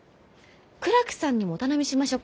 倉木さんにもお頼みしましょうか？